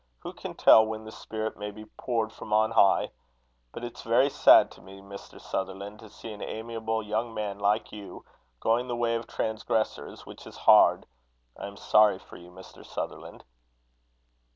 Who can tell when the Spirit may be poured from on high? But it's very sad to me, Mr. Sutherland, to see an amiable young man like you going the way of transgressors, which is hard. I am sorry for you, Mr. Sutherland."